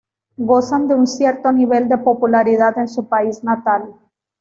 Gozan de un cierto nivel de popularidad en su país natal.